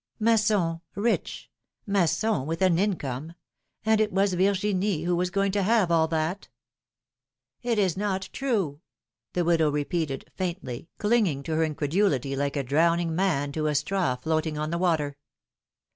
'^ Masson rich ! Masson with an income ! And it was Virginia who was going to have all that ! It is not true ! the widow repeated, faintly, clinging to her incredulity like a drowning man to a straw floating on the water.